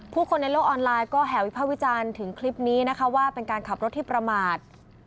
คนในโลกออนไลน์ก็แห่วิภาควิจารณ์ถึงคลิปนี้นะคะว่าเป็นการขับรถที่ประมาท